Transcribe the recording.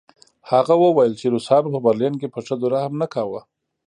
هغه وویل چې روسانو په برلین کې په ښځو رحم نه کاوه